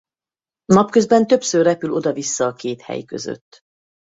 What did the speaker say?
Napközben többször repül oda-vissza a két hely között.